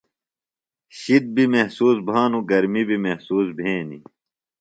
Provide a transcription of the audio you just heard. شِد بیۡ محسوس بھانوۡ گرمی بیۡ محسوس بھینیۡ۔